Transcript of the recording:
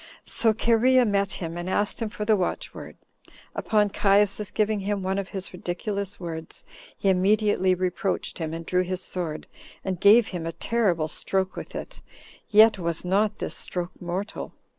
So Cherea met him, and asked him for the watchword; upon Caius's giving him one of his ridiculous words, he immediately reproached him, and drew his sword, and gave him a terrible stroke with it, yet was not this stroke mortal.